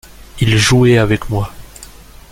Il jouait avec moi.